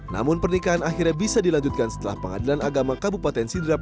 namun pernikahan akhirnya bisa dilanjutkan setelah pengadilan agama kabupaten sidrap